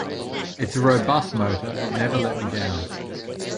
It's a robust motor, it never let me down.